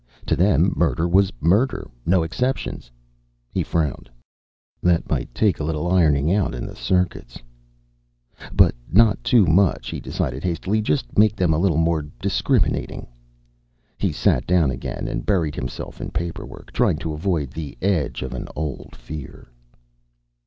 To them, murder was murder. No exceptions. He frowned. That might take a little ironing out in the circuits. But not too much, he decided hastily. Just make them a little more discriminating. He sat down again and buried himself in paperwork, trying to avoid the edge of an old fear.